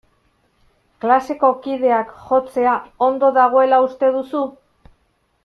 Klaseko kideak jotzea ondo dagoela uste duzu?